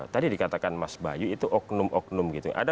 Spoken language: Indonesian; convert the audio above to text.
tadi dikatakan mas bayu itu oknum oknum gitu